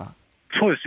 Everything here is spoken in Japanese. そうです。